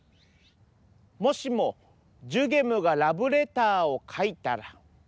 「もしもじゅげむがラブレターをかいたら」。